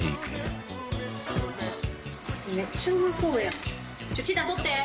めっちゃうまそうや。